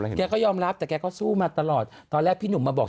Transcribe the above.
แกก็ยอมรับแต่แกก็สู้มาตลอดตอนแรกพี่หนุ่มมาบอก